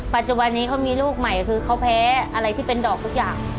ปัจจุบันนี้เขามีลูกใหม่คือเขาแพ้อะไรที่เป็นดอกทุกอย่าง